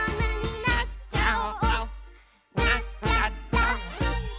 「なっちゃった！」